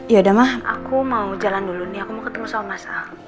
yaudah ma aku mau jalan dulu nih aku mau ketemu sama mas al